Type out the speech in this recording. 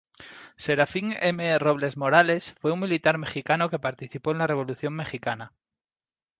Serafín M. Robles Morales fue un militar mexicano que participó en la Revolución mexicana.